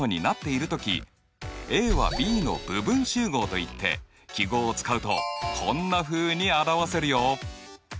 ＡはＢの部分集合といって記号を使うとこんなふうに表せるよ。